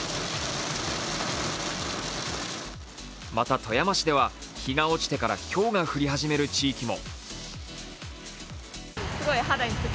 また、富山市では日が落ちてからひょうが降り始める地域も。